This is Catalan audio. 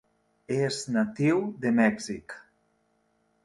És natiu de Mèxic.